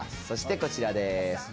そしてこちらです。